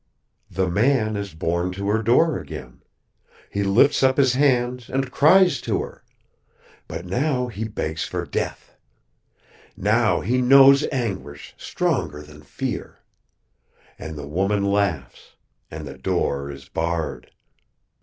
"The man is borne to her door again. He lifts up his hands and cries to her. But now he begs for death. Now he knows anguish stronger than fear. And the woman laughs, and the door is barred.